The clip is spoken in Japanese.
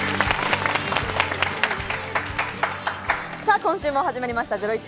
今週も始まりました『ゼロイチ』。